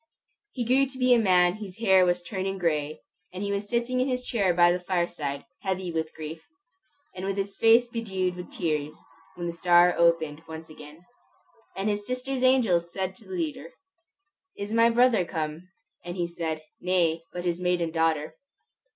He grew to be a man whose hair was turning gray, and he was sitting in his chair by the fireside, heavy with grief, and with his face bedewed with tears, when the star opened once again. Said his sister's angel to the leader, "Is my brother come?" And he said, "Nay, but his maiden daughter."